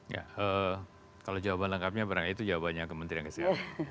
ya kalau jawaban lengkapnya berangkat itu jawabannya kementerian kesehatan